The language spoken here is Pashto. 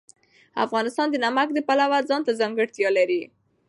افغانستان د نمک د پلوه ځانته ځانګړتیا لري.